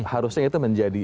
harusnya itu menjadi